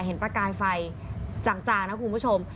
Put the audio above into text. เห็นประกายไฟจังจานะคุณผู้ชม